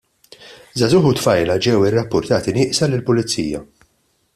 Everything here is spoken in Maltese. Żagħżugħ u tfajla ġew irrappurtati nieqsa lill-Pulizija.